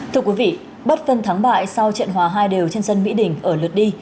thưa quý vị bất thân thắng bại sau trận hòa hai đều trên sân mỹ đình ở lượt đi